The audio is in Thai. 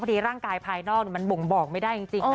ร่างกายภายนอกมันบ่งบอกไม่ได้จริงนะ